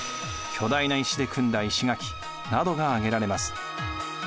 巨大な石で組んだ石垣などが挙げられます。